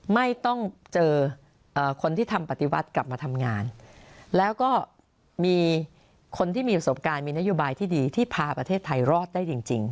ไม่ต้องเจอคนที่ทำปฏิวัติกลับมาทำงานแล้วก็มีคนที่มีประสบการณ์มีนโยบายที่ดีที่พาประเทศไทยรอดได้จริง